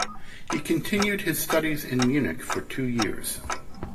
He continued his studies in Munich for two years.